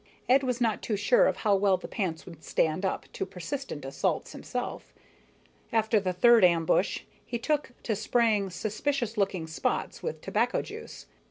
Ed was not too sure of how well the pants would stand up to persistent assault himself. After the third ambush, he took to spraying suspicious looking spots with tobacco juice.